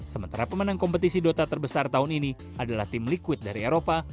sementara pemenang kompetisi dota terbesar tahun ini adalah tim liquid dari eropa